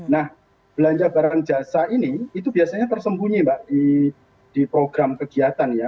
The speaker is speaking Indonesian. nah belanja barang jasa ini itu biasanya tersembunyi mbak di program kegiatan ya